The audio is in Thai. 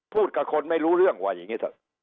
พูดกับคนไม่รู้เรื่องว่าอย่างนี้เถอะ